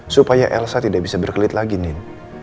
supaya elsa tidak bisa berkelit lagi nin